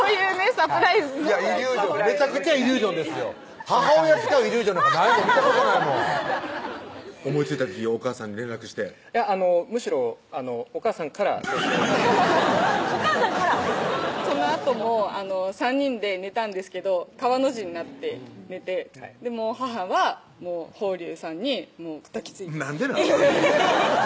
サプライズのめちゃくちゃイリュージョンですよ母親使うイリュージョンなんかないもん見たことないもん思いついた時にお母さんに連絡してむしろおかあさんからそうしようというお母さんからそのあとも３人で寝たんですけど川の字になって寝て母は峰龍さんにもう抱きついてなんでなん？